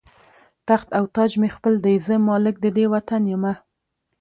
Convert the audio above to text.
تخت او تاج مې خپل دی، زه مالک د دې وطن یمه